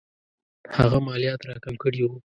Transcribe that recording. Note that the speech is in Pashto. هغه مالیات را کم کړي وو.